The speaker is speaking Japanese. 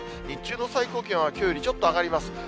日中の最高気温はきょうよりちょっと上がります。